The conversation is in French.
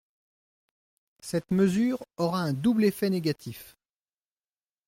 Cette mesure aura un double effet négatif.